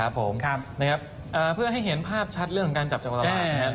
เพื่อให้เห็นภาพชัดเรื่องการจับจังหวะตลาด